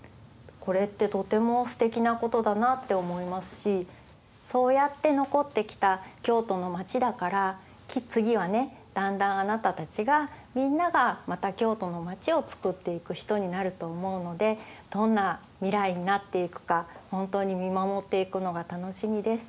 これってとてもすてきなことだなって思いますしそうやって残ってきた京都の街だから次はねだんだんあなたたちがみんながまた京都の街をつくっていく人になると思うのでどんな未来になっていくか本当に見守っていくのが楽しみです。